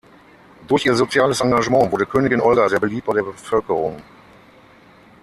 Durch ihr soziales Engagement wurde Königin Olga sehr beliebt bei der Bevölkerung.